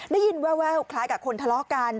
ได้ยินแววคล้ายกับคนทะเลาะกัน